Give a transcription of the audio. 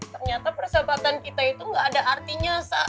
ternyata persahabatan kita itu enggak ada artinya sa